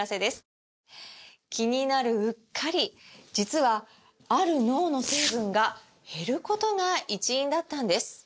気になるうっかり実はある脳の成分が減ることが一因だったんです